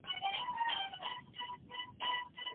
د طلاق محل په صحيحه نکاح کي څنګه وي؟